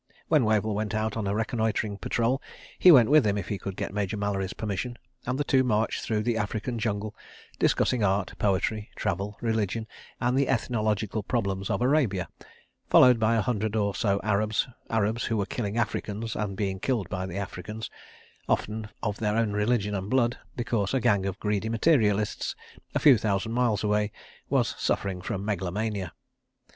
When Wavell went out on a reconnoitring patrol, he went with him if he could get Major Mallery's permission, and the two marched through the African jungle discussing art, poetry, travel, religion, and the ethnological problems of Arabia—followed by a hundred or so Arabs—Arabs who were killing Africans and being killed by Africans, often of their own religion and blood, because a gang of greedy materialists, a few thousand miles away, was suffering from megalomania.